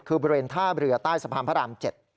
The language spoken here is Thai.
คือบริเวณท่าเรือใต้สะพานพระราม๗